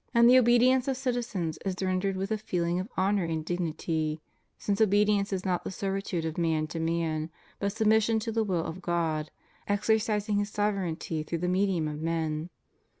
117 the obedience of citizens is rendered with a feeling of honor and dignity, since obedience is not the servitude of man to man, but submission to the will of God, exer cising His sovereignty through the mediiun of men.